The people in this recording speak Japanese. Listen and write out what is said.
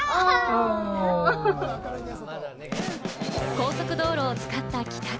高速道路を使った帰宅。